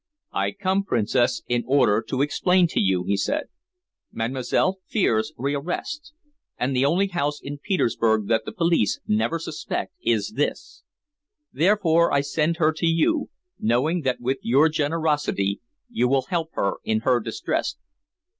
"I come, Princess, in order to explain to you," he said. "Mademoiselle fears rearrest, and the only house in Petersburg that the police never suspect is this. Therefore I send her to you, knowing that with your generosity you will help her in her distress."